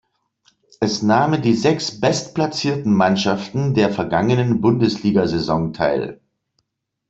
Es nahmen die sechs bestplatzierten Mannschaften der vergangenen Bundesligasaison teil.